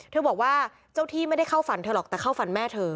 บอกว่าเจ้าที่ไม่ได้เข้าฝันเธอหรอกแต่เข้าฝันแม่เธอ